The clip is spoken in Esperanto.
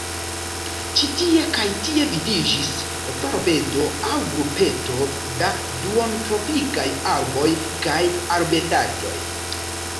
Ĉi tie kaj tie vidiĝis florbedo aŭ grupeto da duontropikaj arboj kaj arbetaĵoj.